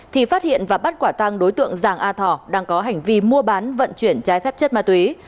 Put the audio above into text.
thì phát hiện và bắt quả tăng đối tượng giàng a thỏ đang có hành vi mua bán vận chuyển trái phép chất ma túy